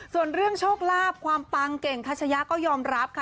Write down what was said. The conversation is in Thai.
ส่วนเรื่องโชคลาภความปังเก่งคัชยะก็ยอมรับค่ะ